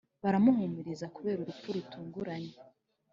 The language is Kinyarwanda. baramuhumuriza kubera urupfu rutunguranye